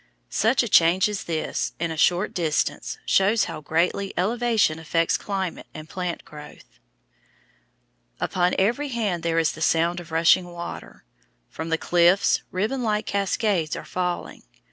Such a change as this, in a short distance, shows how greatly elevation affects climate and plant growth. Upon every hand there is the sound of rushing water. From the cliffs ribbon like cascades are falling.